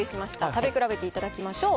食べ比べていただきましょう。